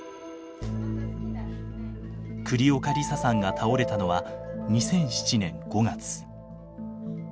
栗岡梨沙さんが倒れたのは２００７年５月。